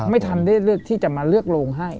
ไม่ทันได้เลือกที่จะมาเลือกโรงให้